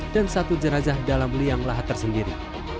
dan satu jenazah dalam liang lahat tersendiri